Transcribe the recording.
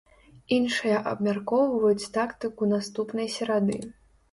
Іншыя абмяркоўваюць тактыку наступнай серады.